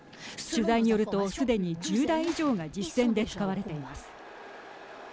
取材によると、すでに１０台以上が実戦で使われています。